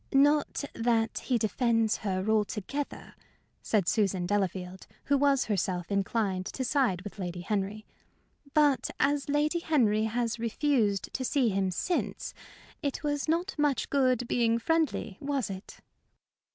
"Not that he defends her altogether," said Susan Delafield, who was herself inclined to side with Lady Henry; "but as Lady Henry has refused to see him since, it was not much good being friendly, was it?"